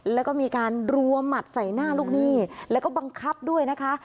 แล้วก็มีการรัวหมัดใส่หน้าลูกหนี้แล้วก็บังคับด้วยนะคะ